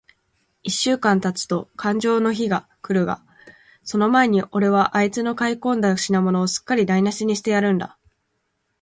一週間たつとかんじょうの日が来るが、その前に、おれはあいつの買い込んだ品物を、すっかりだいなしにしてやるんだ。